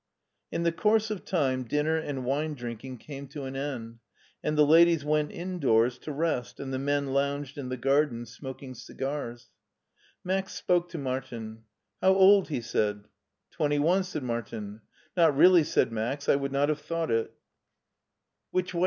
In the course of time dinner and wine drinking came to an end, and the ladies went indoors to rest and the men lounged in the garden smoking cigars. Max spoke to Martin. "How old?" he said. Twenty one," said Martin. Not really," said Max, " I would not have thought it" *4 it it 46 MARTIN SCHOLER "Which way?"